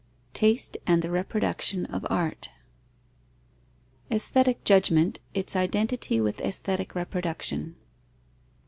XVI TASTE AND THE REPRODUCTION OF ART _Aesthetic judgment. Its identity with aesthetic reproduction.